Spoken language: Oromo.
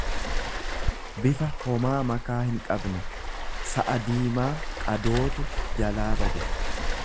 bifa homaa makaa hinqabne; Sa'a diimaa qadootu jalaa bade.